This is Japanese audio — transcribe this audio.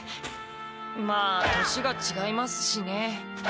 まあ年がちがいますしね。